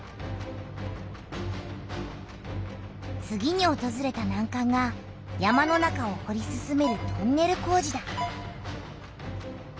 次におとずれたなんかんが山の中をほり進めるトンネル工事だ。